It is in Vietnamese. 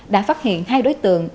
đã phát hiện hai đối tượng